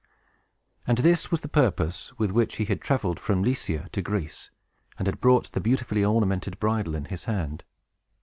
And this was the purpose with which he had traveled from Lycia to Greece, and had brought the beautifully ornamented bridle in his hand.